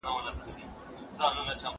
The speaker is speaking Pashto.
ټولنيزې شبکې د زده کونکو لپاره ښه فرصت دی.